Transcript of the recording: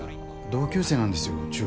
同級生なんですよ中学の。